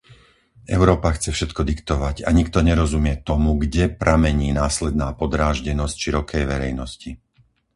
Európa chce všetko diktovať a nikto nerozumie tomu, kde pramení následná podráždenosť širokej verejnosti.